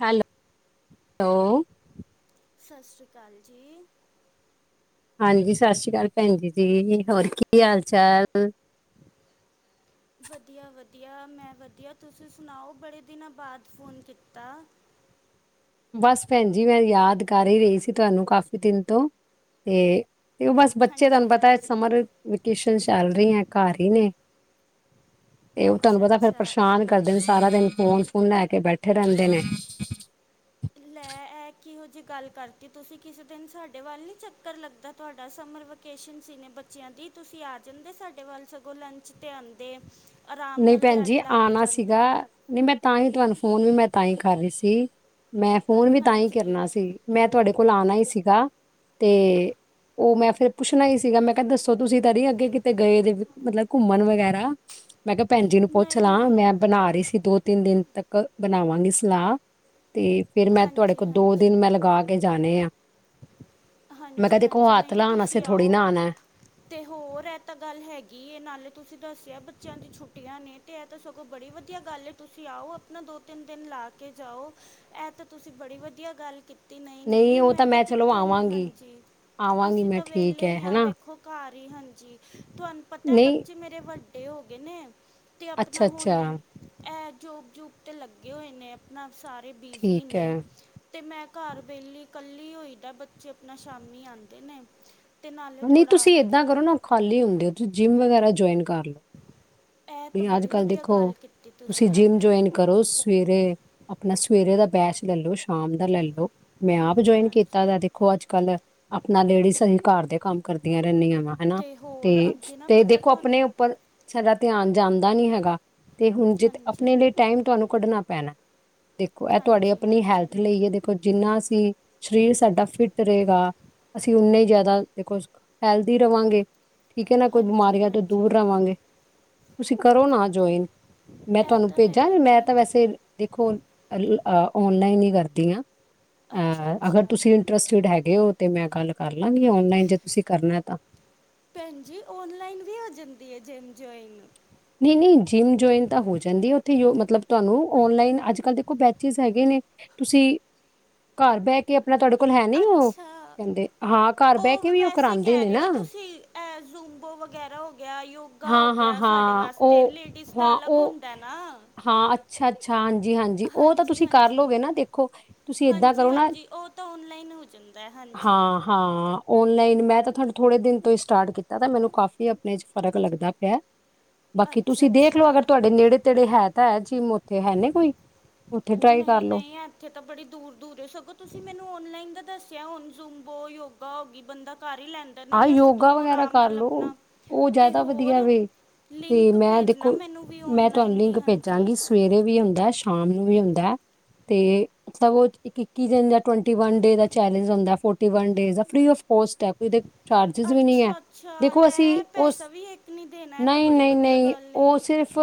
Hello- hello. ਸਤਿ ਸ਼੍ਰੀ ਅਕਾਲ ਜੀ। ਹਾਂਜੀ ਸਤਿ ਸ਼੍ਰੀ ਅਕਾਲ ਭੈਣ ਜ ਜੀ ਹੋਰ ਕੀ ਹਾਲ ਚਾਲ। ਵਧੀਆ ਵਧੀਆ ਮੈਂ ਵਧੀਆ ਤੁਸੀਂ ਸੁਣਾਓ ਬੜੇ ਦਿਨਾਂ ਬਾਅਦ ਫ਼ੋਨ ਕੀਤਾ। ਬਸ ਭੈਣ ਜੀ ਮੈਂ ਯਾਦ ਕਰ ਹੀ ਰਹੀ ਸੀ ਤੁਹਾਨੂੰ ਕਾਫ਼ੀ ਦਿਨ ਤੋਂ ਤੇ ਤੇ ਉਹ ਬਸ ਬੱਚੇ ਤੁਹਾਨੂੰ ਹਾਂਜੀ ਪਤਾ ਹਾਂਜੀ ਸਮਰ ਵੇਕੇਸ਼ਨ ਚੱਲ ਰਹੀ ਹੈ ਘਰ ਹੀ ਨੇ ਤੇ ਉਹ ਤੁਹਾਨੂੰ ਅੱਛਾ ਪਤਾ ਫੇਰ ਅੱਛਾ ਪਰੇਸ਼ਾਨ ਕਰਦੇ ਨੇ ਸਾਰਾ ਦਿਨ ਫੋਨ ਉਹ ਲੈ ਕੇ ਬੈਠੇ ਰਹਿੰਦੇ ਨੇ। ਲੈ ਇਹ ਕਿਹੋ ਜਿਹੀ ਗੱਲ ਕਰਤੀ ਤੁਸੀਂ ਕਿਸੇ ਦਿਨ ਸਾਡੇ ਵੱਲ ਨੀ ਚੱਕਰ ਲੱਗਦਾ ਤੁਹਾਡਾ ਸਮਰ ਵਕੇਸ਼ਨ ਸੀ ਨੇ ਬੱਚਿਆਂ ਦੀ ਤੁਸੀਂ ਆ ਜਾਂਦੇ ਸਾਡੇ ਵੱਲ ਸਗੋਂ ਲੰਚ 'ਤੇ ਆਉਂਦੇ ਆਰਾਮ ਨਹੀਂ ਨਾਲ ਭੈਣ ਦਿਹਾੜੀ ਜੀ ਲਾ ਕੇ ਆਣਾ ਜਾਂਦੇ। ਸੀਗਾ ਨਹੀਂ ਮੈਂ ਤਾਂ ਹੀ ਤੁਹਾਨੂੰ ਫੋਨ ਵੀ ਮੈਂ ਤਾਂ ਹੀ ਕਰ ਰਹੀ ਸੀ ਮੈਂ ਫੋਨ ਵੀ ਤਾਂ ਹੀ ਹਾਂਜੀ ਕਰਨਾ ਸੀ। ਮੈਂ ਤੁਹਾਡੇ ਕੋਲ ਆਉਣਾ ਹੀ ਸੀਗਾ ਤੇ ਉਹ ਮੈਂ ਫੇਰ ਪੁੱਛਣਾ ਹੀ ਸੀਗਾ। ਮੈਂ ਕਿਹਾ ਦੱਸੋ ਤੁਸੀਂ ਤੇ ਨੀ ਅੱਗੇ ਕਿਤੇ ਗਏ ਮਤਲਬ ਘੁੰਮਣ ਵਗੈਰਾ। ਮੈਂ ਕਿਹਾ ਭੈਣ ਜੀ ਨੂੰ ਪੁੱਛ ਨਹੀਂ ਲਾਂ ਨਹੀਂ ਮੈਂ ਬਣਾ ਰਹੀ ਸੀ ਦੋ ਤਿੰਨ ਦਿਨ ਤੱਕ ਬਣਾਵਾਂਗੇ ਸਲਾਹ ਤੇ ਫੇਰ ਮੈਂ ਤੁਹਾਡੇ ਹਾਂਜੀ ਕੋਲ ਦੋ ਦਿਨ ਹਾਂਜੀ ਮੈਂ ਲਗਾ ਕੇ ਜਾਣੇ ਆ। ਮੈਂ ਹਾਂਜੀ ਕਿਹਾਦੇ ਕੋ ਹਾਂਜੀ ਹੱਤ ਨਹੀਂ ਲਾਣ ਆਸਤੇ ਤੁਸੀਂ ਥੋੜ੍ਹੀ ਨਾ ਆਓ ਆਨਾ ਐ। ਤੇ ਹੋਰ ਇਹ ਤਾਂ ਗੱਲ ਹੈਗੀ ਇਹ ਨਾਲੇ ਤੁਸੀਂ ਦੱਸਿਆ ਬੱਚਿਆਂ ਦੀ ਛੁੱਟੀਆਂ ਨੇ। ਇਹਤਾਂ ਸਗੋਂ ਬੜੀ ਵਧੀਆ ਗੱਲ ਤੁਸੀਂ ਆਓ ਆਪਣਾ ਦੋ ਤਿੰਨ ਦਿਨ ਲਾ ਕੇ ਜਾਓ ਇਹ ਤਾਂ। ਤੁਸੀਂ ਬੜੀ ਵਧੀਆ ਗੱਲ ਕੀਤੀ ਨਹੀਂ ਨਹੀਂ ਮੈਂ ਤਾਂ ਕਿੱਥੇ ਨਹੀਂ ਹਾਂਜੀ। ਆਵਾਂਗੀ ਅਸੀਂ ਮੈਂ ਤਾਂ ਠੀਕ ਵਿਹਲੇ ਹੈ ਹੀ ਹਾਂ ਹਨਾ ਵੇਖੋ ਘਰ ਹੀ ਹਾਂਜੀ ਤੁਹਾਨੂੰ ਪਤਾ ਹੈ ਨਹੀਂ ਬੱਚੇ ਮੇਰੇ। ਵੱਡੇ ਹੋ ਗਏ ਨੇ ਤੇ ਆਪਣਾ ਅੱਛਾ ਹੁਣ। ਅੱਛਾ ਹੈ ਜੋਬ ਜੁਬ ਤੇ ਲੱਗੇ ਹੋਏ ਨੇ ਆਪਣਾ ਸਾਰੇ ਬਿਜ਼ੀ ਠੀਕ ਨੇ। ਹੈ ਅਤੇ ਮੈਂ ਘਰ ਵਿਹਲੀ ਇਕੱਲੀ ਹੋਇਦਾ ਬੱਚੇ ਆਪਣਾ ਸ਼ਾਮੀ ਆਉਂਦੇ ਨੇ। ਤੇ ਨਾਲੇ ਨਹੀਂ ਥੋੜਾ ਤੁਸੀਂ ਇੱਦਾਂ ਕਰੋ ਨਾ ਉਹ ਖਾਲੀ ਹੁੰਦੇ ਹੋ ਤੁਸੀਂ ਜਿੰਮ ਵਗੈਰਾ ਜੁਆਇਨ ਕਰ ਲਓ। ਇਹ ਤਾਂ ਅੱਜ ਬੜੀ ਕੱਲ ਵਧੀਆ ਦੇਖੋ ਗੱਲ ਕੀਤੀ ਤੁਸੀਂ ਜਿੰਮ ਹਾਂਜੀ ਜੁਆਇਨ ਕਰੋ। ਸਵੇਰੇ ਆਪਣਾ ਸਵੇਰੇ ਦਾ ਬੈਚ ਲੈ ਲੋ ਸ਼ਾਮ ਦਾ ਲੈ ਲੋ ਮੈਂ ਆਪ ਹਾਂਜੀ ਜੁਆਇਨ ਹਾਂਜੀ ਕੀਤਾ ਦਾ ਤੇ। ਦੇਖੋ ਅੱਜ ਕੱਲ੍ਹ ਆਪਣਾ ਲੇਡੀਜ਼ ਅਸੀਂ ਘਰ ਦੇ ਕੰਮ ਕਰਦੀਆਂ ਰਹਿੰਦੀਆਂ ਵਾ। ਹਨਾ ਤੇ ਹੋਰ ਅੱਗੇ ਨਾ ਤੇ ਪਤਾ ਦੇਖੋ ਆਪਣੇ ਤੁਹਾਨੂੰ ਉੱਪਰ ਸਾਡਾ ਧਿਆਨ ਜਾਂਦਾ ਨੀ ਹੈਗਾ ਤੇ ਹੁਣ ਜ ਹਾਂਜੀ ਆਪਣੇ ਲਈ ਟਾਈਮ ਤੁਹਾਨੂੰ ਕੱਢਣਾ ਪੈਣਾ। ਦੇਖੋ ਇਹ ਤੁਹਾਡੇ ਹਾਂਜੀ ਆਪਣੀ ਹਾਂਜੀ ਹੈਲਥ ਲਈ ਐ। ਦੇਖੋ ਜਿੰਨਾ ਅਸੀ ਸਰੀਰ ਸਾਡਾ ਫਿੱਟ ਰਹੇਗਾ। ਅਸੀਂ ਉਨੇ ਹੀ ਜ਼ਿਆਦਾ ਦੇਖੋ ਹੈਲਦੀ ਰਹਾਂਗੇ ਠੀਕ ਹੈ ਨਾ। ਕੋਈ ਹਾਂਜੀ ਬਿਮਾਰੀਆਂ ਤੋਂ ਹਾਂਜੀ ਦੂਰ ਰਹਾਂਗੇ। ਤੁਸੀਂ ਕਰੋ ਨਾ ਜੁਆਇਨ ਮੈਂ ਇਹ ਤੁਹਾਨੂੰ ਤਾਂ ਹੈ ਭੇਜਾਂ ਹੀ ਮੈਂ ਨਹੀਂ ਤਾਂ ਵੈਸੇ। ਦੇਖੋ ਔਨਲਾਈਨ ਹੀ ਕਰਦੀ ਹ ਅੱਛਾ ਅਹ ਅਗਰ ਅੱਛਾ ਤੁਸੀਂ ਇੰਟਰਸਟਡ ਹੈਗੇ ਉਹ ਤੇ ਮੈਂ ਗੱਲ ਕਰ ਲਾਂਗੀ। ਔਨਲਾਈਨ ਜੇ ਤੁਸੀਂ ਕਰਨਾ ਤਾਂ। ਭੈਣ ਜੀ ਔਨਲਾਈਨ ਵੀ ਆ ਜਾਂਦੀ ਹੈ ਜਿਮ ਜਆਇਨ। ਨਹੀਂ -ਨਹੀਂ ਜਿੰਮ ਜੁਆਇਨ ਤਾਂ ਹੋ ਜਾਂਦੀ ਐ। ਉੱਥੇ ਮਤਲਬ ਤੁਹਾਨੂੰ ਓਨਲਾਈਨ ਅੱਜ ਕੱਲ੍ਹ ਦੇਖੋ ਬੈਚਿਸ ਹੈਗੇ ਨੇ। ਤੁਸੀਂ ਘਰ ਬਹਿ ਕੇ ਆਪਣਾ ਤੁਹਾਡੇ ਕੋਲ ਹੈ ਨੀ ਉਹ ਅੱਛਾ ਕਹਿੰਦੇ ਹਾ ਘਰ ਬਹਿ ਕੇ ਵੀ ਉਹ ਕਰਾਂਂਦੇ ਨੇ ਨਾ। ਐ ਜ਼ੂਬੋ ਵਗੈਰਾ ਹੋ ਗਿਆ, ਯੋਗਾ ਹੋ ਹਾਂ ਹਾਂ ਗਿਆ ਸਾਡੇ ਹਾਂ ਵਾਸਤੇ। ਅਤੇ ਉਹ ਲੇਡੀਜ਼ ਤਾਂ ਹਾਂ ਅਲੱਗ ਉਹ ਹੁੰਦਾ ਨਾ। ਹਾਂ। ਅੱਛਾ-ਅੱਛਾ, ਹਾਂਜੀ -ਹਾਂਜੀ ਉਹ ਤਾਂ ਤੁਸੀਂ ਕਰ ਲਓਗੇ ਨਾ ਦੇਖੋ ਤੁਸੀਂ ਏਦਾਂ ਹਾਂਜੀ ਕਰੋ ਨਾ। ਹਾਂਜੀ ਉਹ ਤਾਂ ਔਨਲਾਈਨ ਹੋ ਜਾਂਦਾ ਹੈ ਹਾਂਜੀ। ਹਾਂ -ਹਾਂ ਔਨਲਾਈਨ ਮੈਂ ਤਾਂ ਤੁਹਾਨੂੰ ਥੋੜ੍ਹੇ ਦਿਨ ਤੋਂ ਹੀ ਸਟਾਰਟ ਕੀਤਾ ਤਾਂ ਮੈਨੂੰ ਕਾਫੀ ਆਪਣੇ 'ਚ ਫਰਕ ਲੱਗਦਾ ਪਿਆ। ਬਾਕੀ ਅੱਛਾ ਤੁਸੀਂ ਦੇਖ ਲਓ ਅਗਰ ਅੱਛਾ ਤੁਹਾਡੇ ਨੇੜੇ ਤੇੜੇ ਹੈ ਤਾਂ ਹੈ। ਜੀਮ ਉੱਥੇ ਹੈ ਨੇ ਕੋਈ? ਉੱਥੇ ਟਰਾਈ ਕਰ ਨਈ- ਲੋ ਨਈ ਉੱਥੇ ਤਾਂ ਬੜੀ ਦੂਰ -ਦੂਰ ਸਗੋਂ ਤੁਸੀਂ ਮੈਨੂੰ ਔਨਲਾਈਨ ਦਾ ਦੱਸਿਆ ਹੁਣ ਜ਼ੂੰਬੋ, ਯੋਗਾ ਹੋ ਗਈ ਬੰਦਾ ਕਰ ਈ ਲੈਂਦਾ। ਆਹ ਨਹੀਂ ਅਸੀਂ ਯੋਗਾ ਦੋਨੋ ਵਗੈਰਾ ਆਰਾਮ ਕਰ ਨਾਲ ਆਪ ਲੋ ਆਪਣਾ ਉਹ ਤੇ ਜ਼ਿਆਦਾ ਵਧੀਆ ਹੋਰ। ਵੇ ਤੇ ਲਿੰਕ ਮੈਂ ਭੇਜਣਾ ਦੇਖੋ ਮੈਨੂੰ ਵੀ ਮੈਂ ਤੁਹਾਨੂੰ ਓਨਲਾਈਨ ਦੀ ਲਿੰਕ ਹਾਂਜੀ। ਭੇਜਾਂਗੀ ਸਵੇਰੇ ਵੀ ਹੁੰਦਾ ਸ਼ਾਮ ਨੂੰ ਵੀ ਹੁੰਦਾ ਐ ਤੇ। ਸਗੋਂ ਇੱਕੀ ਦਿਨ ਦੇ ਇੱਕੀ ਡੇ ਚੈਲੇੰਜ ਹੁੰਦਾ ਹੈ ਇਕਤਾਲੀ ਡੇਜ਼ ਆ ਫਰੀ ਆਫ ਕੋਸਟ ਚਾਰਜਿਸ ਵੀ ਨਹੀਂ ਐ। ਅੱਛਾ ਅੱਛਾ ਦੇਖੋ ਅਸੀਂ ਲੈ ਉਸ ਪੈਸਾ ਵੀ ਇੱਕ ਨਹੀਂ ਦੇਣਾ ਇਹ ਤਾਂ ਨਹੀਂ ਬੜੀ -ਨਹੀਂ ਵਧੀਆ -ਨਹੀਂ ਗੱਲ ਹੈ ਉਹ ਸਿਰਫ।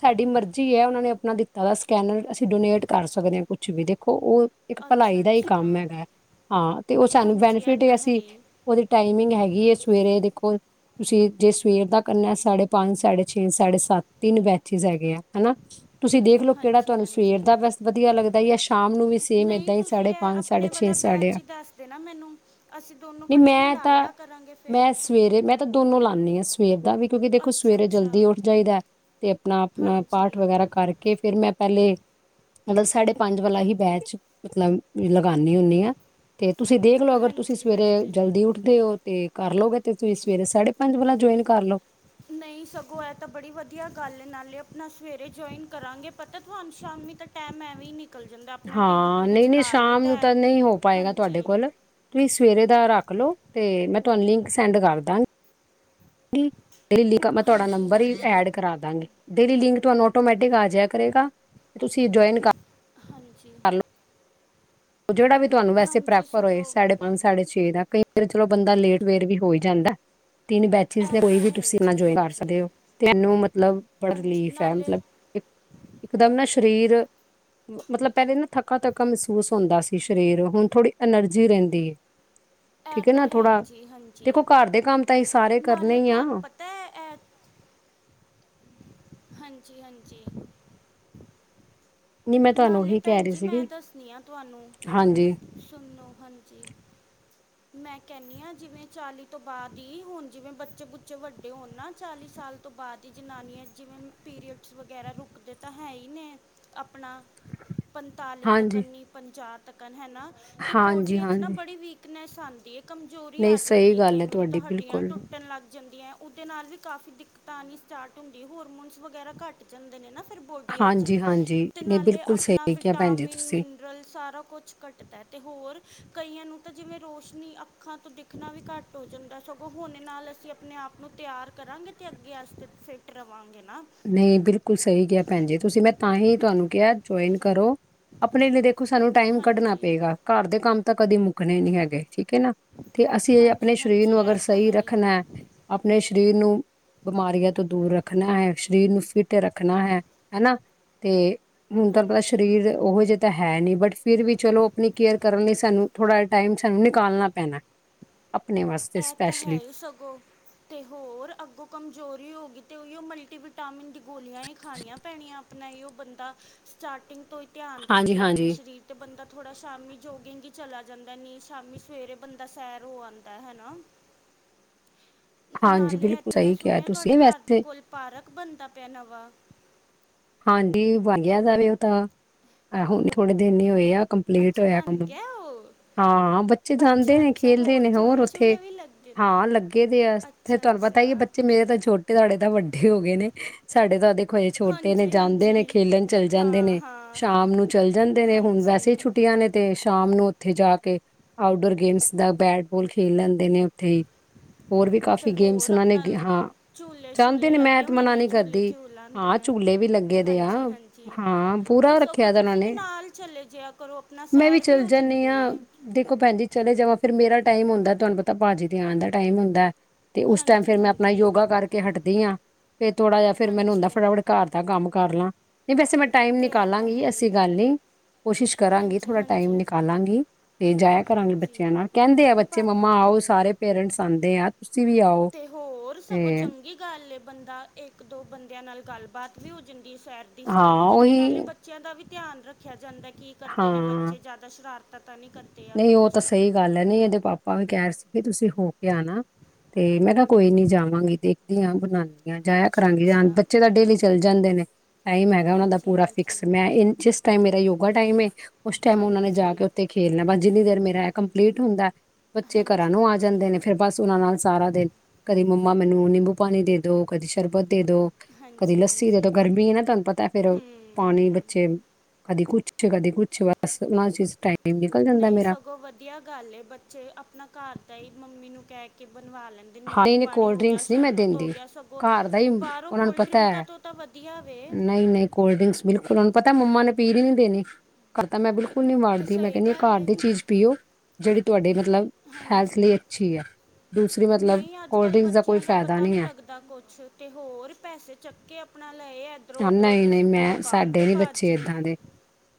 ਸਾਡੀ ਮਰਜ਼ੀ ਏ ਉਹਨਾਂ ਨੇ ਆਪਣਾ ਦਿੱਤਾ ਦਾ ਸਕੈਨਰ ਅਸੀਂ ਡੋਨੇਟ ਕਰ ਸਕਦੇ ਹਾਂ ਕੁਛ ਵੀ ਦੇਖੋ ਉਹ। ਇੱਕ ਅੱਛਾ ਭਲਾਈ ਦਾ ਹੀ ਕੰਮ ਅੱਛਾ ਹੈਗਾ ਹਾਂ ਤੇ ਉਹ ਸਾਨੂੰ ਹਾਂਜੀ ਇਹ ਬੈਨੀਫਿਟ ਤਾਂ ਹੈ ਅਸੀਂ ਹੀ ਉਹਦੇ ਟਾਈਮ ਹੈਗੀ ਸਵੇਰੇ ਦੇਖੋ। ਤੁਸੀਂ ਜੇ ਸਵੇਰ ਦਾ ਕੰਨਾ ਸਾਢੇ ਪੰਜ, ਸਾਢੇ ਛੇ, ਸਾਢੇ ਸੱਤ ਤਿੰਨ ਬੈਚਿਸ ਹੈਗੇ ਆ ਹਨਾ। ਤੁਸੀਂ ਦੇਖ ਲਓ ਕਿਹੜਾ ਹਾਂਜੀ ਤੁਹਾਨੂੰ ਸਵੇਰ ਹਾਂਜੀ ਦਾ ਬਸ ਵਧੀਆ ਲੱਗਦਾ ਹੈ ਸ਼ਾਮ ਨੂੰ ਵੀ ਸੇਮ ਨਹੀਂ ਏਦਾਂ ਹੀ ਤੁਸੀਂ ਸਾਢੇ ਇਹ ਪੰਜ। ਆਪਣੇ ਸਾਢੇ ਛੇ ਵਾਲਾ ਸਾਢੇ ਬੈਚ ਅੱਠ ਹੀ ਦੱਸਦੇ ਨਾ ਮੈਨੂੰ ਅਸੀਂ ਦੋਨੋ ਨਹੀਂ ਇਕੱਠੇ ਹੀ ਮੈਂ ਲਾ ਤਾਂ ਲਿਆ ਕਰਾਂਗੇ ਫੇਰ। ਮੈਂ ਸਵੇਰੇ ਮੈਂ ਤਾਂ ਦੋਨੋ ਲਾਦੀ ਆ ਸਵੇਰ ਦਾ ਵੀ। ਕਿਉਂਕਿ ਦੇਖੋ ਅੱਛਾ ਸਵੇਰੇ ਅੱਛਾ ਜਲਦੀ ਉੱਠ ਜਾਈਦਾ ਤੇ ਆਪਣਾ -ਆਪਣਾ ਪਾਠ ਹਾਂਜੀ ਵਗੈਰਾ ਕਰਕੇ। ਕੇ ਫੇਰ ਮੈਂ ਪਹਿਲੇ ਮਤਲਬ ਸਾਢੇ ਪੰਜ ਵਾਲਾ ਹੀ ਬੈਚ ਮਤਲਬ ਲਗਾਨੀ ਹੁੰਨੀ ਆ ਤੇ ਤੁਸੀਂ ਦੇਖ ਲਓ ਅਗਰ ਤੁਸੀਂ ਹਾਂਜੀ ਸਵੇਰੇ ਹਾਂਜੀ ਜਲਦੀ ਤੇ ਉਹ ਤੇ ਕਰਲਓਗੇ ਤੇ ਤੁਸੀਂ ਸਵੇਰੇ ਸਾਢੇ ਪੰਜ ਵਲਾ ਜੁਆਇਨ ਕਰ ਲਓ। ਨਹੀਂ ਸਗੋਂ ਹੈ ਤਾਂ ਬੜੀ ਵਧੀਆ ਗੱਲ ਨਾਲੇ ਆਪਣਾ ਸਵੇਰੇ ਜੁਆਇਨ ਕਰਾਂਗੇ ਪਤਾ ਤੁਹਾਨੂੰ ਸ਼ਾਮੀ ਤਾ ਤਾ ਮੈਂ ਵੀ ਨੀ। ਹਾਂ ਨਹੀਂ-ਨਹੀਂ ਸ਼ਾਮ ਨੂੰ ਹੈ ਤਾਂ ਨਹੀਂ ਹੋ ਪਾਏਗਾ ਹਾਂਜੀ ਤੁਹਾਡੇ ਕੋਲ ਤੁਸੀਂ ਸਵੇਰੇ ਦਾ ਰੱਖ ਲਓ ਤੇ ਮੈਂ ਤੁਹਾਨੂੰ ਲਿੰਕ ਸੈਂਡ ਕਰਦਾਂਗੀ ਡੇਲੀ ਕਾ ਮੈਂ ਤੁਹਾਡਾ ਹਾਂਜੀ ਨੰਬਰ ਹੀ ਹਾਂਜੀ ਐਡ ਕਰਾ ਦਾਂਗੀ ਡੇਲੀ ਲਿੰਕ ਤੁਹਾਨੂੰ ਆਟੋਮੈਟਿਕ ਆ ਜਾਯਾ ਕਰੇਗਾ ਤੁਸੀਂ ਜਇਨ ਕਰ ਹਾਂਜੀ ਉਹ ਜਿਹੜਾ ਵੀ ਤੁਹਾਨੂੰ ਵੈਸੇ ਹਾਂਜੀ ਪ੍ਰੈਫਰ ਹੋਏ ਸਗੋਂ ਸਾਡੇ ਸਾਢੇ ਛੇ ਦਾ ਕਈ ਵਾਰ ਚਲੋ ਬੰਦਾ ਲੇਟ ਵੇਰ ਵੀ ਹੋਈ ਜਾਂਦਾ ਤਿੰਨ ਬੈਚਿਸ ਇਹ ਨੇ ਕੋਈ ਤਾਂ ਵੀ ਹੈ ਹੀ ਤੁਸੀਂ ਤਿੰਨਾਂ ਜੀ ਚੋਂ ਜੋਇਨ ਕਰ ਹਾਂਜੀ ਸਕਦੇ ਹੋ ਮਨੂੰ ਮਤਲਬ ਬੜਾ ਹਾਂਜੀ ਰਿਲੀਫ ਹੈ ਨਾਲੇ ਮਤਲਬ ਇੱਕਦਮ ਨਾ ਸਰੀਰ ਮਤਲਬ ਪਹਿਲੇ ਨਾ ਥੱਕਾ ਥੱਕਾ ਮਹਿਸੂਸ ਹੁੰਦਾ ਸੀ ਸਰੀਰ ਹੁਣ ਥੋੜੀ ਐਨਰਜੀ ਰਹਿੰਦੀ ਇਹ ਠੀਕ ਹੈ ਤਾਂ ਨਾ ਹੀ ਥੋੜਾ ਜੀ ਹਾਂਜੀ ਦੇਖੋ ਘਰ ਦੇ ਕੰਮ ਤਾਂ ਅਸੀਂ ਸਾਰੇ ਕਰਨੇ ਨਾਲੇ ਹੀ ਆ ਤੁਹਾਨੂੰ ਪਤਾ ਹੈ ਇਹ ਹਾਂਜੀ -ਹਾਂਜੀ। ਮੈਂ ਤੁਹਾਨੂੰ ਨਾਲੇ ਉਹੀ ਕਹਿ ਭੈਣ ਰਹੀ ਜੀ ਮੈਂ ਸੀਗੀ ਦੱਸਦੀ ਹਾਂ ਤੁਹਾਨੂੰ ਹਾਂਜੀ ਸੁਣੋ ਹਾਂਜੀ। ਮੈਂ ਕਹਿੰਦੀ ਹਾਂ ਜਿਵੇਂ ਚਾਲੀ ਤੋਂ ਬਾਅਦ ਹੀ ਹੁਣ ਜਿਵੇਂ ਬੱਚੇ-ਬਚੇ ਵੱਡੇ ਹੋਣ ਨਾ ਚਾਲੀ ਸਾਲ? ਤੋਂ ਬਾਅਦ ਹੀ ਜਨਾਨੀਆਂ ਜਿਵੇਂ ਪੀਰੀਅਡਸ ਵਗੈਰਾ ਰੁਕਦੇ ਤਾਂ ਹੈ ਹੀ ਨੇ ਆਪਣਾ। ਪੰਤਾਲੀ ਤੱਕ ਹਾਂਜੀ ਨੀ ਪੰਜਾਹ ਤੱਕ ਹੈਨਾ ਤੇ ਬੋਡੀ ਹਾਂਜੀ ਵਿੱਚ ਨਾ ਹਾਂਜੀ ਬੜੀ ਵੀਕ ਵੀਕਨੈਸ ਆਂਦੀ ਹੈ ਕਮਜ਼ੋਰੀ ਨਹੀਂ ਆ ਸਹੀ ਜਾਂਦੀ ਹੈ ਗੱਲ ਕਈ ਵਾਰੀ ਤਾਂ ਤੁਹਾਡੀ ਹੱਡੀਆਂ ਬਿਲਕੁਲ ਟੁੱਟਣ ਲੱਗ ਜਾਂਦੀਆਂ ਉਹਦੇ ਨਾਲ ਵੀ ਕਾਫ਼ੀ ਦਿੱਕਤਾਂ ਆਨੀ ਸਟਾਰਟ ਹੁੰਦੀ ਹੋਰਮੋਨਸ ਵਗੈਰਾ ਘੱਟ ਜਾਂਦੇ ਨੇ ਨਾ ਫਿਰ ਬੋ ਡੇ ਚ ਹਾਂਜੀ-ਹਾਂਜੀ ਨਹੀਂ ਨਾਲੇ ਬਿਲਕੁਲ ਆਪਣਾ ਸਹੀ ਕਿਹਾ ਭੈਣ ਜੀ ਵਿਟਾਮਿਨ ਤੁਸੀਂ। ਮੈਂ ਰਲ ਸਾਰਾ ਕੁਛ ਘੱਟਦਾ ਅਤੇ ਹੋਰ ਕਈਆਂ ਨੂੰ ਤਾਂ ਜਿਵੇਂ ਰੋਸ਼ਨੀ ਅੱਖਾਂ ਤੋਂ ਦਿਖਣਾ ਵੀ ਘੱਟ ਹੋ ਜਾਂਦਾ ਸਗੋਂ ਹੁਣੇ ਨਾਲ ਅਸੀਂ ਆਪਣੇ ਆਪ ਨੂੰ ਤਿਆਰ ਕਰਾਂਗੇ ਅਤੇ ਅੱਗੇ ਅਸੀ ਤਾਂ ਫਿੱਟ ਰਵਾਂਗੇ ਨਾ ਨਹੀਂ ਬਿਲਕੁਲ ਸਹੀ ਕਿਹਾ ਭੈਣ ਜੀ ਤੁਸੀਂ ਮੈਂ ਤਾਂ ਹੀ ਤੁਹਾਨੂੰ ਕਿਹਾ ਜੁਆਇਨ ਕਰੋ ਆਪਣੇ ਲਈ ਦੇਖੋ ਸਾਨੂੰ ਟਾਈਮ ਕੱਢਣਾ ਹਾਂਜੀ ਪਏਗਾ ਘਰ ਦੇ ਕੰਮ ਤਾਂ ਕਦੇ ਮੁੱਕ ਮੁਕਣੇ ਨੀ ਹੈਗੇ ਠੀਕ ਹੈ ਨਾ ਤੇ ਅਸੀਂ ਆਪਣੇ ਹਾਂਜੀ ਸਰੀਰ ਹਾਂਜੀ ਨੂੰ ਅਗਰ ਇਹ ਤਾਂ ਸਹੀ ਹੈ ਹੀ ਰੱਖਣਾ ਅਪਣੇ ਸਰੀਰ ਨੂੰ ਬਿਮਾਰੀਆਂ ਤੋਂ ਦੂਰ ਰੱਖਣਾ ਹੈ ਸਰੀਰ ਨੂੰ ਫਿਟ ਰੱਖਣਾ ਹੈ ਹੈਨਾ ਤੇ ਹੁਣ ਤੂੰ ਪਤਾ ਹਾਂਜੀ ਸਰੀਰ ਉਹੋ ਜਿਹੇ ਤਾਂ ਹੈ ਨਹੀਂ ਬਟ ਫਿਰ ਵੀ ਚਲੋ ਆਪਣੀ ਕੇਅਰ ਕਰਨ ਲਈ ਸਾਨੂੰ ਥੋੜਾ ਜਹਾ ਟਾਈਮ ਸਾਨੂੰ ਨਿਕਾਲਣਾ ਪੈਣਾ ਅਪਣੇ ਵਾਸਤੇ ਇਹ ਤਾਂ ਹੈ ਸਪੈਸ਼ਲੀ ਹੀ ਸਗੋਂ ਅਤੇ ਹੋਰ ਅੱਗੋਂ ਕਮਜ਼ੋਰੀ ਹੋ ਗਈ ਅਤੇ ਉਹੀਓ ਮਲਟੀਵਿਟਾਮਿਨ ਦੀ ਗੋਲੀਆਂ ਹੀ ਖਾਣੀਆਂ ਪੈਣੀਆਂ ਨਹੀਂ ਉਹ ਬੰਦਾ ਸਟਾਰਟਿੰਗ ਤੋਂ ਹੀ ਧਿਆਨ ਰੱਖੇ ਅਪਣੇ ਹਾਂਜੀ-ਹਾਂਜੀ। ਸ਼ਰੀਰ ਅਤੇ ਬੰਦਾ ਥੋੜਾ ਸ਼ਾਮ ਜੋਗਿੰਗ ਹੀ ਚਲਾ ਜਾਂਦਾ ਨਹੀਂ ਸ਼ਾਮੀ ਸਵੇਰੇ ਬੰਦਾ ਸੈਰ ਹੋ ਆਂ ਦਾ ਹੈਨਾ ਹਾਂਜੀ, ਨਾਲੇ ਬਿਲਕੁਲ ਇੱਥੇ ਮੈਂ ਸਹੀ ਕਿਹਾ ਸੁਣਿਆ ਤੁਹਾਡੇ ਤੁਸੀਂ ਘਰ ਦੇ ਵੈਸੇ ਕੋਲ ਇੱਕ ਪਾਰਕ ਬਣਦਾ ਪਿਆ ਨਵਾਂ ਹਾਂਜੀ ਵੰਗਿਆ ਜਾਰੇ ਉਹ ਤਾਂ ਹੁਣ ਥੋੜੇ ਦਿਨ ਹੀ ਹੋਏ ਆ ਕੰਮਪ ਅੱਛਾ ਬਣ ਗਿਆ ਉਹ ਹਾਂ ਬੱਚੇ ਜਾਂਦੇ ਅੱਛਾ ਨੇ ਅੱਛਾ ਖੇਲਦੇ ਨੇ ਹੋਰ ਝੂਲੇ ਉੱਥੇ ਛੂਲੇ ਵੀ ਲੱਗੇ ਨੇ ਹਾਂ ਲੱਗੇ ਦੇ ਆ ਫਿਰ ਅੱਛਾ ਤੁਹਾਨੂੰ ਪਤਾ ਹੀ ਹੈ ਅੱਛਾ ਬੱਚੇ ਮੇਰੇ ਤਾਂ ਛੋਟੇ ਤੁਹਾਡੇ ਤਾਂ ਵੱਡੇ ਹੋ ਗਏ ਨੇ ਸਾਡੇ ਤਾਂ ਦੇਖੋ ਹਜੇ ਛੋਟੇ ਨੇ ਹਾਂਜੀ ਜਾਂਦੇ ਨੇ ਹਾਂਜੀ ਖੇਲਣ ਚੱਲ ਜਾਂਦੇ ਹਾਂ ਨੇ ਹਾਂ ਸ਼ਾਮ ਨੂੰ ਚੱਲ ਜਾਂਦੇ ਨੇ ਹੁਣ ਵੈਸੇ ਵੀ ਹਾਂਜੀ ਛੁੱਟੀਆਂ ਨੇ ਤੇ ਸ਼ਾਮ ਨੂੰ ਉੱਥੇ ਜਾ ਕੇ ਆਊਟਡੋਰ ਗੇਮਸ ਦਾ ਬੈਟਬੋਲ ਖੇਲ ਲੈਂਦੇ ਨੇ ਉੱਥੇ ਹੀ ਹੋਰ ਵੀ ਕਾਫ਼ੀ ਤੇ ਗੇਮਸ ਹੋਰ ਉਹਨਾਂ ਨੇ ਆਪਣਾ ਹਾਂ ਝੂਲੇ ਜਾਂਦੇ ਛੂਲੇ ਨੇ ਮੈਂ ਲੱਗੇ ਤਾਂ ਹੋਣੇ ਮਨਾ ਨੇ ਨਹੀਂ ਝੂਲੇ ਕਰਦੀ ਝੂਲ ਆਂਦੇ ਹਾਂ ਨੇ ਝੂਲੇ ਵੀ ਲੱਗੇ ਦੇ ਆ ਹਾਂਜੀ ਹਾਂਜੀ ਹਾਂ ਤੇ ਪੂਰਾ ਸਗੋਂ ਰੱਖਿਆ ਦਾ ਉਹਨਾਂ ਤੁਸੀਂ ਵੀ ਨੇ ਨਾਲ ਚਲੇ ਜਿਆ ਕਰੋ ਆਪਣਾ ਮੈਂ ਵੀ ਸੈਰ ਚੱਲ ਹੋ ਜਾਂਦੀ ਹਾਂ ਏ ਦੇਖੋ ਭੈਣ ਜੀ ਚਲੇ ਜਾਵਾਂ ਫਿਰ ਮੇਰਾ ਟਾਈਮ ਹੁੰਦਾ ਤੁਹਾਨੂੰ ਪਤਾ ਭਾਜੀ ਤੇ ਆਣ ਦਾ ਟਾਈਮ ਹੁੰਦਾ ਤੇ ਉਸ ਟਾਈਮ ਹਾਂਜੀ ਫਿਰ ਮੈਂ ਅਪਣਾ ਹਾਂਜੀ ਯੋਗਾ ਕਰਕੇ ਹਟਦੀ ਹਾਂ ਫਿਰ ਥੋੜਾ ਜਿਹਾ ਫਿਰ ਮੈਨੂੰ ਹੁੰਦਾ ਹਾਂਜੀ ਫਟਾਫਟ ਘਰ ਦਾ ਕੰਮ ਕਰ ਲਾਂ ਨਹੀਂ ਵੈਸੇ ਮੈਂ ਟਾਈਮ ਤੇ ਇਹ ਤਾਂ ਨਿਕਾਲਾਂਗੀ ਹੈ ਐਸੀ ਹੀ ਗੱਲ ਨਹੀਂ ਕੋਸ਼ਿਸ਼ ਕਰਾਂਗੀ ਹਾਂਜੀ ਥੋੜਾ ਟਾਈਮ ਹਾਂਜੀ ਨਿਕਾਲਾਂਗੀ ਤੇ ਜਾਇਆ ਕਰਾਂਗੇ, ਹਾਂਜੀ ਬੱਚਿਆਂ ਨਾਲ, ਕਹਿੰਦੇ ਆ ਬੱਚੇ ਬਾ ਮੰਮਾ ਆਓ ਸਾਰੇ ਪੇਰੈਂਟਸ ਆਂਦੇ ਆ, ਤੁਸੀਂ ਵੀ ਆਓ ਤੇ ਹੋਰ, ਸਗੋਂ ਤੇ ਚੰਗੀ ਗੱਲ ਏ, ਬੰਦਾ ਇੱਕ ਦੋ ਬੰਦਿਆਂ ਨਾਲ ਗੱਲਬਾਤ ਵੀ ਹੋ ਜਾਂਦੀ ਐ, ਸੈਰ ਦੀ ਹਾਂ ਸੈਰ ਹੋ ਜਾਂਦੀ ਐ, ਨਾਲੇ ਉਹੀ ਬੱਚ ਬੱਚਿਆਂ ਦਾ ਵੀ ਧਿਆਨ ਰੱਖਿਆ ਜਾਂਦਾ, ਕੀ ਕਰਦੇ ਨੇ, ਹਾਂ ਬੱਚੇ ਜ਼ਿਆਦਾ ਸ਼ਰਾਰਤਾਂ ਤਾਂ ਨਹੀਂ ਕਰਦੇ ਆ ਨਹੀਂ ਉਹ ਤਾਂ ਕੁਛ ਸਹੀ ਗੱਲ ਐ, ਨਹੀਂ ਇਹਦੇ ਪਾਪਾ ਵੀ ਕਹਿ ਰਹੇ ਸੀਗੇ ਤੁਸੀਂ ਹੋ ਕੇ ਆਣਾ ਤੇ ਮੈਂ ਨਾ ਕੋਈ ਨੀ ਜਾਵਾਂਗੀ, ਦੇਖਦੀ ਹਾਂ ਬਣਾਉ ਜਾਇਆ ਅੱਛਾ ਕਰਾਂਗੀ, ਜਾਂ ਅੱਛਾ ਬੱਚੇ ਤਾਂ ਡੇਲੀ ਚੱਲ ਜਾਂਦੇ ਨੇ। ਟਾਈਮ ਹੈਗਾ ਉਹਨਾਂ ਦਾ ਹਾਂਜੀ ਪੂਰਾ ਹਾਂਜੀ ਫਿਕਸ ਮੈਂ ਇਨ ਜਿਸ ਟਾਈਮ ਮੇਰਾ ਯੋਗਾ ਟਾਈਮ ਐ ਉਸ ਟਾਈਮ ਉਹ ਨੇ ਜਾ ਹਾਂਜੀ ਕੇ ਉੱਥੇ ਖੇਲਣਾ ਬਸ ਜਿੰਨੀ ਦੇਰ ਮੇਰਾ ਕੰਪਲੀਟ ਹੁੰਦਾ ਐ, ਬੱਚੇ ਘਰਾਂ ਹਾਂਜੀ ਨੂੰ ਆ ਹਾਂਜੀ ਜਾਂਦੇ ਨੇ। ਫਿਰ ਬਸ ਉਹਨਾਂ ਨਾਲ ਸਾਰਾ ਦਿਨ, ਕਦੀ ਮੰਮਾ ਮੈਨੂੰ ਨਿੰਬੂ ਪਾਣੀ ਦੇ ਦੋ, ਕਦੀ ਸ਼ਰਬਤ ਦੇ ਦੋ। ਕਦੀ ਹਾਂਜੀ ਲੱਸੀ ਤੇ ਹਾਂਜੀ ਤਾਂ ਗਰਮੀ ਨਾ, ਤੁਹਾਨੂੰ ਪਤਾ ਫਿਰ ਹੂੰ ਪਾਣੀ ਹੂੰ ਬੱਚੇ ਕਦੀ ਕੁਛ ਕਦੀ ਕੁਛ ਬਸ ਉਨਾਂ ਚ ਟਾਈਮ ਨਿ ਨਹੀਂ ਸਗੋਂ ਵਧੀਆ ਗੱਲ ਏ ਬੱਚੇ ਆਪਣਾ ਘਰ ਦਾ ਹੀ ਮੰਮੀ ਨੂੰ ਕਹਿ ਕੇ ਬਣਵਾ ਲੈਣ ਨਿੰਬੂ ਹਾਏ ਨੇ ਪਾਣੀ ਕੋਲਡ ਹੋ ਗਿਆ, ਡਰਿੰਕਸ ਨਹੀਂ ਮੈਂ ਸ਼ਰਬਤ ਹੋ ਦਿੰਦੀ ਗਿਆ, ਸਗੋਂ ਘਰ ਦਾ ਹੀ ਬਾਹਰੋਂ ਉਹਨਾਂ ਨੂੰ ਕੋਲਡ ਪਤਾ ਡਰਿੰਕਾਂ ਤੋਂ ਤਾਂ ਵਧੀਆ ਵੇ ਕੋਲਡਰਿੰਕਸ ਬਿਲਕੁਲ, ਉਹਨੂੰ ਪਤਾ, ਮੰਮਾ ਨੇ ਪੀਣ ਹੀ ਨੀ ਦੇਣੀ। ਘਰ ਤਾਂ, ਮੈਂ ਬਿਲਕੁਲ ਨਹੀਂ ਤੇ ਵਾੜਦੀ, ਮੈਂ ਸਹੀ ਕਹਿੰਦੀ ਐ ਗੱਲ ਘਰ ਏ ਦੀ ਚੀਜ਼ ਪੀਓ, ਜਿਹੜੀ ਤੁਹਾਡੇ ਮਤਲਬ ਹੈਲਥ, ਹਾਂਜੀ ਲਈ ਅੱਛੀ ਐ। ਨਹੀਂ, ਅੱਜ -ਕੱਲ੍ਹ ਬੱਚਿਆਂ ਦਾ ਫਾਇਦਾ ਪਤਾ ਨਹੀਂ ਹੈ ਲੱਗਦਾ ਕੁਛ। ਤੇ ਹੋਰ, ਪੈਸੇ ਚੱਕੇ ਆਪਣਾ ਲਏ ਇੱਧਰੋਂ, ਉੱਧਰੋਂ ਨਹੀਂ ਤੇ ਨਹੀਂ ਸਿੱਧਾ ਮੈਂ ਦੁਕਾਨ ਤੇ ਸਾਡੇ ਨੀ ਭੱਜ ਬੱਚੇ ਏਦਾਂ ਦੇ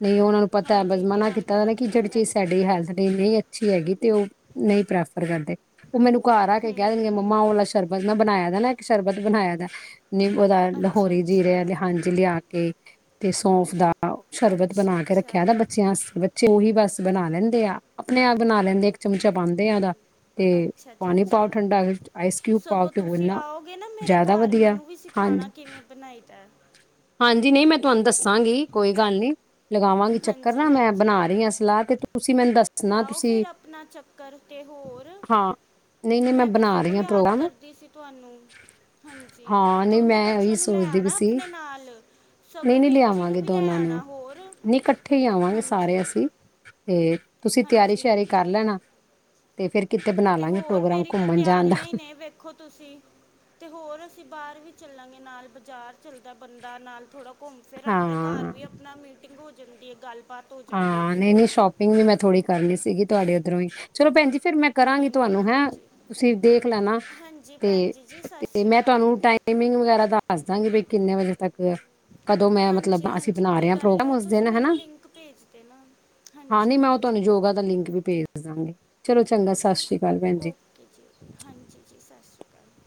ਨਹੀਂ, ਉਹਨਾਂ ਨੂੰ ਪਤਾ ਬਸ ਹਾਂਜੀ ਮਨਾ ਧਿਆਨ ਤਾਂ ਕੀਤਾ, ਉਹ ਕਿ ਰੱਖਣਾ ਹੀ ਜਿਹੜੀ ਚੀਜ਼, ਪੈਂਦਾ ਹੈ। ਸਾਡੀ ਹੈਲਥ ਲਈ ਨਹੀਂ ਅੱ ਛੀ ਹੈਗੀ, ਤੇ ਉਹ ਨਹੀਂ ਪ੍ਰੈਫਰ ਕਰਦੇ। ਹੁਣ ਮੈਨੂੰ ਘਰ ਆ ਕੇ ਕਹਿ ਹੂੰ ਦੇਣਗੇ, ਮੰਮਾ ਉਹ ਹੂੰ ਵਾਲਾ ਸ਼ਰਬਤ ਨਾ, ਬਣਾਇਆਂ ਦਾ ਨਾ ਇੱਕ ਸ਼ਰਬਤ ਬਣਾਇਆ ਦਾ ਨੀ ਉਹਦਾ, ਅੱਛਾ ਲਾਹੌਰੀ ਜ਼ੀਰਾ ਅੱਛਾ ਕੇ, ਹਾਂਜੀ ਲਿਆ ਕੇ ਤੇ ਸੌੰਫ ਦਾ ਸ਼ਰਬਤ ਅੱਛਾ ਬਣਾ ਕੇ ਅੱਛਾ ਰੱਖਿਆ ਦਾ, ਬੱਚਿਆਂ ਵਸਤੇ ਜ਼ਰੂਰੀ, ਬਸ ਬਣਾ ਲੈਂਦੇ ਆ, ਆਪਣੇ ਆਪ ਬਣਾ ਲੈਂਦੇ ਇੱਕ ਚਮਚਾ ਪਾਉਂਦੇ ਆ ਉਹਦਾ ਤੇ ਅੱਛਾ ਜੀ ਪਾਣੀ ਪਾਓ ਅੱਛਾ ਠੰਡਾ, ਵਿੱਚ ਆਈਸਕਿਊਬ ਪਾਓ ਸਗੋਂ ਤੇ ਤੁਸੀਂ ਇੰਨਾ, ਆਓਗੇ ਨਾ ਮੇਰੇ ਜ਼ਿਆਦਾ ਘਰ ਵਧੀਆ ਮੈਨੂੰ ਹਾਂਜੀ। [unintelligible] ਕਿਵੇਂ ਬਣਾਈ ਦਾ ਐ? ਹਾਂਜੀ, ਨਹੀਂ, ਮੈਂ ਤੁਹਾਨੂੰ ਦੱਸਾਂਗੀ ਕੋਈ ਗੱਲ ਨਹੀਂ। ਲਗਾਵਾਂਗੀ ਚੱਕਰ ਨਾ, ਹਾਂਜੀ ਮੈਂ ਹਾਂਜੀ ਬਣਾ ਰਹੀ ਹਾਂ ਸਲਾਹ, ਤੇ ਤੁਸੀਂ ਮੈਨੂੰ ਦੱਸਣਾ ਤੁਸੀਂ ਕਰ ਤੇ ਹੋਰ, ਹਾਂ ਨਹੀਂ ਨਹੀਂ ਮੈਂ ਤਾਂ ਬਣਾ ਸਗੋਂ ਰਹੀ ਹਾਂ ਯਾਦ ਪ੍ਰੋਗਰਾਮ ਕਰਦੀ ਸੀ, ਤੁਹਾਨੂੰ ਹਾਂਜੀ, ਹਾਂ ਨਹੀਂ ਦੋਨੋਂ ਮੈਂ ਉਹੀ ਬੱਚਿਆਂ ਨੂੰ ਲੈ ਸੋਚਦੀ ਵੀ ਆਣਾ, ਸੀ ਆਪਣੇ ਨਾਲ। ਨਹੀਂ, ਸਗੋਂ ਨਹੀਂ ਵੀਰ ਜੀ ਨੂੰ ਲਿਆਵਾਂਗੇ ਵੀ ਲੈ ਦੋਨਾਂ ਨੂੰ, ਆਣਾ ਹੋਰ ਨਹੀਂ ਇਕੱਠੇ ਹੀ ਆਵਾਂਗੇ, ਸਾਰੇ ਹਾਂਜੀ ਅਸੀਂ। ਤੇ ਤੁਸੀਂ, ਤਿਆਰੀ- ਹਾਂਜੀ ਸ਼ਿਆਰੀ ਕਰ ਹਾਂਜੀ ਲੈਣਾ। ਤੇ ਫੇਰ ਕਿਤੇ ਬਣਾ ਤੇ ਲਾਂਗੇ, ਹੋਰ ਪ੍ਰੋਗਰਾਮ ਮੇਰੀ ਤਾਂ ਘੁੰਮਣ ਜਾਣ ਦਾ। ਤਿਆਰੀਆਂ ਹੀ ਨੇ ਵੇਖੋ ਤੁਸੀਂ ਤੇ ਹੋਰ ਅਸੀਂ ਬਾਹਰ ਵੀ ਚੱਲਾਂਗੇ, ਨਾਲ ਬਾਜ਼ਾਰ ਚੱਲਦਾ ਬੰਦਾ ਨਾਲ ਥੋੜਾ ਘੁੰਮ ਫਿਰ ਆਉਂਦਾ, ਘਰ ਹਾਂ ਵੀ ਆਪਣਾ ਮੀਟਿੰਗ ਹੋ ਜਾਂਦੀ ਐ ਗੱਲਬਾਤ ਹੋ ਜਾਂਦੀ ਹੈ ਹਾਂ, ਤੇ ਨਹੀਂ -ਨਹੀਂ ਹੋਰ ਸ਼ੋਪਿੰਗ ਵੀ ਮੈਂ ਥੋੜ੍ਹੀ ਕਰਨੀ ਸੀਗੀ, ਤੁਹਾਡੇ ਉੱਧਰੋਂ ਹੀ। ਚਲੋ, ਭੈਣਜੀ ਫਿਰ ਮੈਂ ਕਰਾਂਗੀ ਨਹੀਂ ਨਹੀਂ ਤੁਹਾਨੂੰ ਹੈਂ, ਹਾਂਜੀ ਤੁਸੀਂ ਦੇਖ ਲੈਣਾ ਹਾਂਜੀ ਤੇ ਭੈਣ ਜੀ ਜੀ ਸਤਿ ਤੇ ਸ਼੍ਰੀ ਮੈਂ, ਤੁਹਾਨੂੰ ਅਕਾਲ ਟਾਈਮਿੰਗ ਵਗੈਰਾ ਦੱਸ ਦਾਂਗੀ, ਬੀ ਕਿੰਨੇ ਵਜੇ ਤੱਕ ਕਦੋਂ ਮੈਂ ਹਾਂਜੀ ਮਤਲਬ, ਅਸੀਂ ਹਾਂਜੀ ਬਣਾ ਕੋਈ ਰਹੇ ਹਾਂ, ਗੱਲ ਨਹੀਂ ਪ੍ਰੋਗਰਾਮ ਉਹ ਉਸ ਤੁਸੀਂ ਦਿਨ ਮੈਨੂੰ ਹਨਾ‌। ਲਿੰਕ ਭੇਜ ਦੇਣਾ, ਹਾਂਜੀ- ਉਹ ਹਾਂਜੀ। ਤੁਹਾਨੂੰ ਯੋਗਾ ਦਾ ਲਿੰਕ ਵੀ ਭੇਜ ਦਾਂਗੇ, ਚਲੋਂ ਚੰਗਾ, ਸਤਿ ਸ਼੍ਰੀ ਅਕਾਲ ਭੈਣ ਜੀ। ਓਕੇ ਜੀ, ਹਾਂਜੀ ਜੀ, ਸਤਿ ਸ਼੍ਰੀ ਅਕਾਲ।